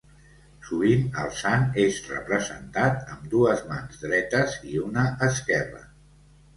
Sovint, el sant és representat amb dues mans dretes i una esquerra.